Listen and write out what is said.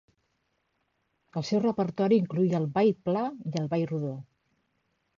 El seu repertori incloïa el ball pla i el ball rodó.